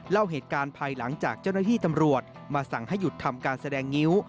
เล่าเหตุการณ์ภายหลังจากเจ้าหน้าที่ตำรวจมาสั่งให้หยุดทำการแสดงงิ้ว